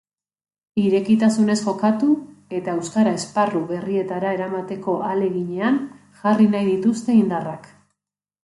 Irekitasunez jokatu, eta euskara esparru berrietara eramateko ahaleginean jarri nahi dituzte indarrak.